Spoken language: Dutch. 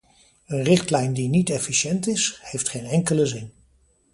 Een richtlijn die niet efficiënt is, heeft geen enkele zin.